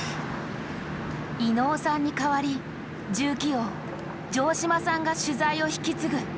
伊野尾さんに代わり重機王城島さんが取材を引き継ぐ。